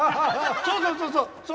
そうそうそうそう！